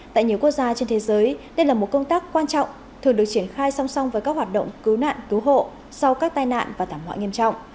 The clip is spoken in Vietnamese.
tại nhiều quốc gia trên thế giới đây là một công tác quan trọng thường được triển khai song song với các hoạt động cứu nạn cứu hộ sau các tai nạn và thảm họa nghiêm trọng